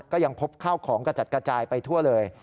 ก็ยังพบข้าวของกระจัดกระจายไปทั่วเลย